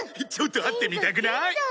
ちょっと会ってみたくなーい？